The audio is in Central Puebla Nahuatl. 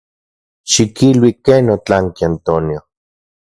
Xikilui ken otlanki Antonio.